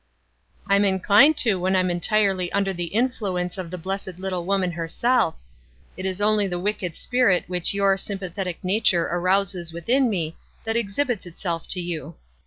"I'm inclined to when I'm entirely under the.* influence of the blessed little woman herself — WISE AND OTHERWISE. 175 it is only the wicked spirit which your sympa thetic nature arouses within me that exhibits itself to you.